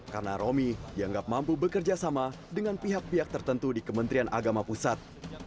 karena romi dianggap mampu bekerjasama dengan pihak pihak tertentu di kementerian agama pusat